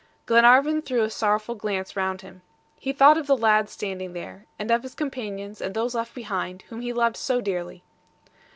Glenarvan threw a sorrowful glance round him. He thought of the lad standing there, and of his companions and those left behind, whom he loved so dearly.